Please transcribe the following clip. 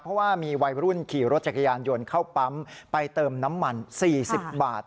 เพราะว่ามีวัยรุ่นขี่รถจักรยานยนต์เข้าปั๊มไปเติมน้ำมัน๔๐บาท